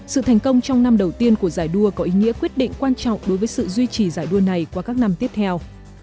sự thành công trong năm đầu tiên của giải đua có ý nghĩa quyết định quan trọng đối với sự duy trì giải đua này qua các năm tiếp theo